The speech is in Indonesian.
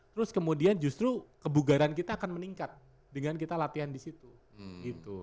terus kemudian justru kebugaran kita akan meningkat dengan kita latihan di situ gitu